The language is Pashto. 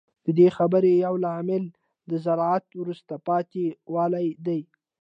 د دې خبرې یو لامل د زراعت وروسته پاتې والی دی